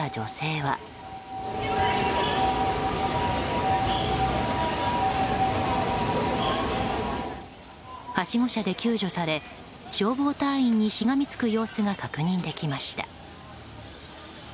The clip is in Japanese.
はしご車で救助され消防隊員にしがみつく様子が確認できました。